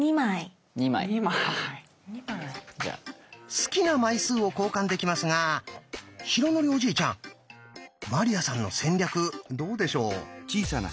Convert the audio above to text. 好きな枚数を交換できますが浩徳おじいちゃん鞠杏さんの戦略どうでしょう？